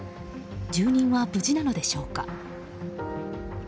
住人は無事なのでしょうか？